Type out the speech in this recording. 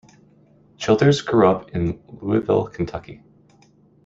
Childers grew up in Louisville, Kentucky.